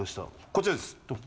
こちらです。